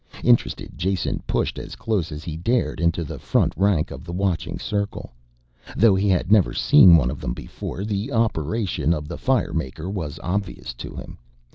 Interested, Jason pushed as close as he dared, into the front rank of the watching circle. Though he had never seen one of them before, the operation of the firemaker was obvious to him.